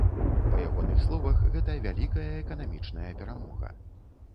Па ягоных словах, гэта вялікая эканамічная перамога.